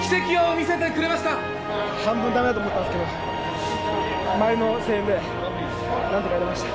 半分だめだと思ったんですけど、周りの声援でなんとかやれました。